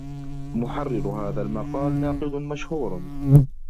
محرر هذا المقال ناقد مشهور.